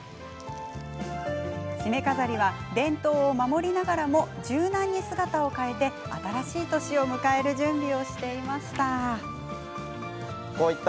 しめ飾りは伝統を守りながらも柔軟に姿を変えて、新しい年を迎える準備をしていました。